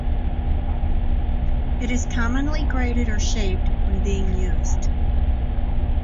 It is commonly grated or shaved when being used.